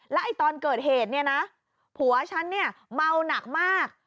แล้วตอนเกิดเหตุเนี่ยนะผัวฉันเนี่ยเมาหนักมาก